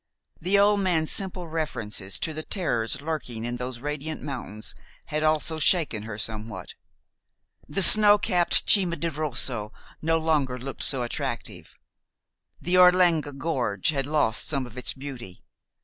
The old man's simple references to the terrors lurking in those radiant mountains had also shaken her somewhat. The snow capped Cima di Rosso no longer looked so attractive. The Orlegna Gorge had lost some of its beauty.